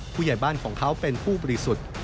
ผู้ใหญ่บ้านของเขาเป็นผู้บริสุทธิ์